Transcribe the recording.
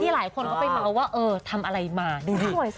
ที่หลายคนเขาไปเม้าว์ว่าเออทำอะไรมาดูดิ